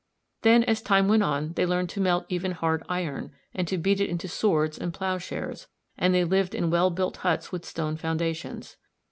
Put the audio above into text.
Then as time went on they learnt to melt even hard iron, and to beat it into swords and plough shares, and they lived in well built huts with stone foundations.